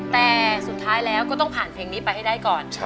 แต่สุดท้ายแล้วก็ต้องผ่านเพลงนี้ไปให้ได้ก่อน